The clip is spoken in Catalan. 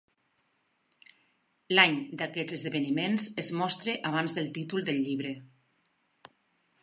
L'any d'aquests esdeveniments es mostra abans del títol del llibre.